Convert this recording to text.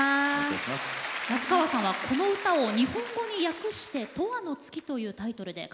夏川さんはこの歌を日本語に訳して「永遠の月」というタイトルでカバーされています。